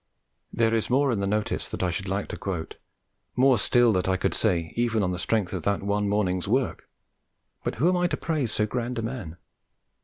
There is more in the notice that I should like to quote, more still that I could say even on the strength of that one morning's work; but who am I to praise so grand a man?